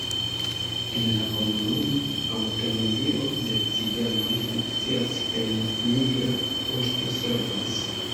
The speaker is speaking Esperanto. En la komunumo aŭtonomio de ciganoj funkcias kaj migra poŝto servas.